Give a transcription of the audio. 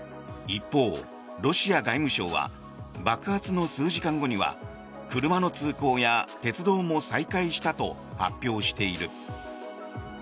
一方、ロシア外務省は爆発の数時間後には車の通行や鉄道も再開したと発表している。